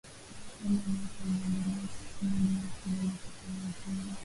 hali ya maisha imeendelea kuwa bora kila mwaka tangu uhuru